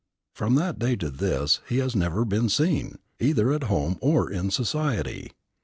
From that day to this he has never been seen, either at home or in society.